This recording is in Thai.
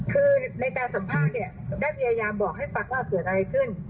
คือในการสัมภาษณ์เนี่ยได้พยายามบอกให้ฟังว่าเกิดอะไรขึ้น